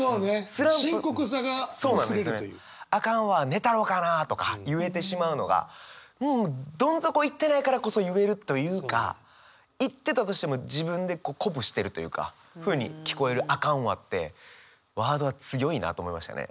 「寝たろかな」とか言えてしまうのがどん底行ってないからこそ言えるというか行ってたとしても自分で鼓舞してるというかふうに聞こえる「あかんわ」ってワードは強いなと思いましたね。